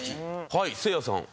はいせいやさん。